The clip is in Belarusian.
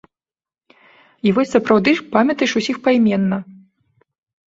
І вось сапраўды ж памятаеш усіх пайменна.